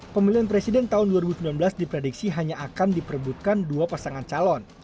pemilihan presiden tahun dua ribu sembilan belas diprediksi hanya akan diperebutkan dua pasangan calon